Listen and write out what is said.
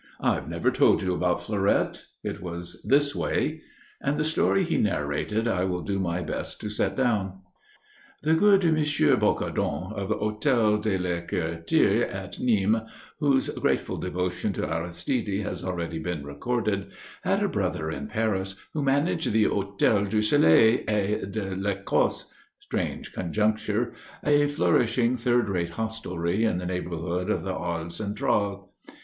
I've never told you about Fleurette. It was this way." And the story he narrated I will do my best to set down. The good M. Bocardon, of the Hôtel de la Curatterie at Nîmes, whose grateful devotion to Aristide has already been recorded, had a brother in Paris who managed the Hôtel du Soleil et de l'Ecosse (strange conjuncture), a flourishing third rate hostelry in the neighbourhood of the Halles Centrales.